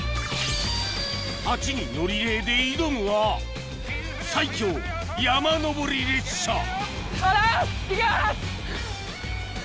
・８人のリレーで挑むは最強山登り列車行きます！